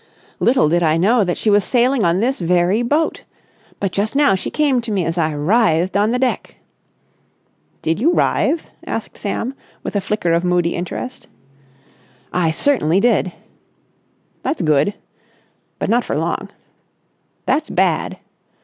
Little did I know that she was sailing on this very boat! But just now she came to me as I writhed on the deck...." "Did you writhe?" asked Sam with a flicker of moody interest. "I certainly did!" "That's good!" "But not for long." "That's bad!"